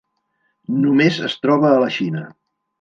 Només es troba a la Xina.